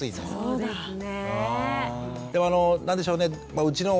そうですね。